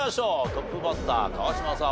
トップバッター川島さん